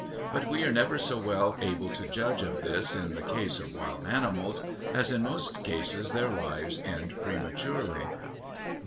But we are never so well able to judge of this in the case of wild animals, as in most cases their lives end prematurely.